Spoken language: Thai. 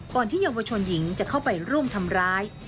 ที่เยาวชนหญิงจะเข้าไปร่วมทำร้าย